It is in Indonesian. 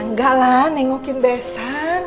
enggak lah nengokin besan